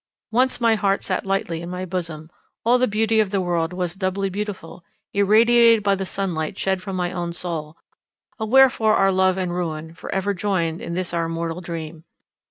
Once my heart sat lightly in my bosom; all the beauty of the world was doubly beautiful, irradiated by the sun light shed from my own soul. O wherefore are love and ruin for ever joined in this our mortal dream?